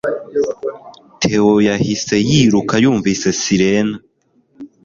Theo yahise yiruka yumvise sirena